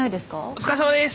お疲れさまです。